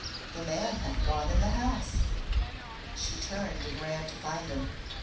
The man hath gone in the house." She turned and ran to find him.